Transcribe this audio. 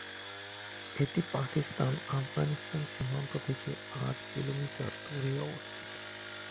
এটি পাকিস্তান- আফগানিস্তান সীমান্ত থেকে আট কিলোমিটার দূরে অবস্থিত।